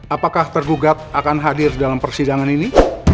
apakah tergugat akan hadir dalam persidangan ini